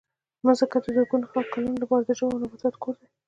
مځکه د زرګونو کلونو لپاره د ژوو او نباتاتو کور دی.